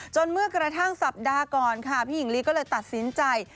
เมื่อกระทั่งสัปดาห์ก่อนค่ะพี่หญิงลีก็เลยตัดสินใจ